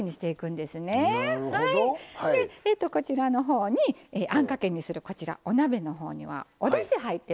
でこちらのほうにあんかけにするお鍋のほうにはおだし入ってますね。